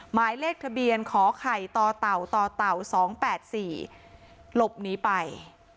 หมายเลขทะเบียนขอไข่ต่อเต่าต่อเต่า๒๘๔หลบหนีไป